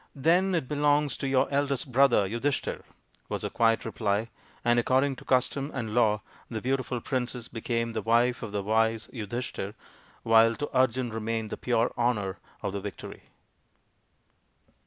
" Then it belongs to your eldest brother, Yudhishthir," was the quiet reply, and according to custom and law the beautiful princess became the wife of the wise Yudhishthir, while to Arjun re mained the pure honour of the victory.